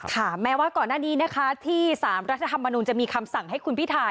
แม้ว่าก่อนหน้านี้นะคะที่สารรัฐธรรมนุนจะมีคำสั่งให้คุณพิทา